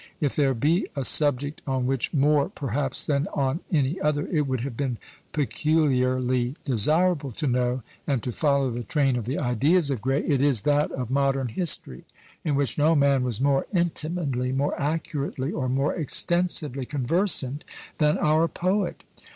If there be a subject on which more, perhaps, than on any other, it would have been peculiarly desirable to know and to follow the train of the ideas of Gray, it is that of modern history, in which no man was more intimately, more accurately, or more extensively conversant than our poet.